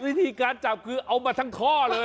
วิธีการจับคือเอามาทั้งท่อเลย